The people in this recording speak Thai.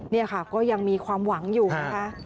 นี่ค่ะก็ยังมีความหวังอยู่นะคะ